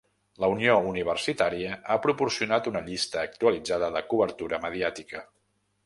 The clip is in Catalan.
La Unió Universitària ha proporcionat una llista actualitzada de cobertura mediàtica.